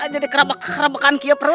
jadi kerebekan kia perut